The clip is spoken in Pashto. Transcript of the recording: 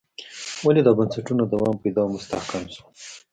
ولې دا بنسټونه دوام پیدا او مستحکم شول.